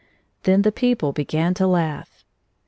Then the people began to laugh.